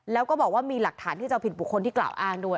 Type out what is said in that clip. แล้วก็บอกว่ามีหลักฐานที่จะเอาผิดบุคคลที่กล่าวอ้างด้วย